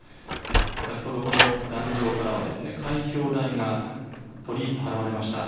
先ほどこの壇上からは開票台が取り払われました。